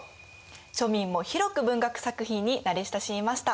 庶民も広く文学作品に慣れ親しみました。